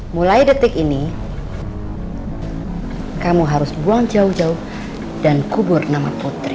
mulai detik ini kamu harus buang jauh jauh dan kubur nama putri